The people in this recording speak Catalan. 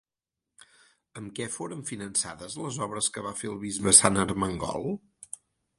Amb què foren finançades les obres que va fer el bisbe Sant Ermengol?